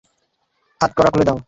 হাতকড়া খুলে দাও।